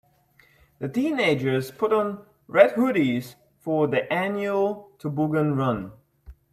The teenagers put on red hoodies for their annual toboggan run.